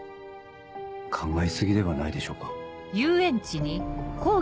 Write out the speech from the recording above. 考え過ぎではないでしょうか。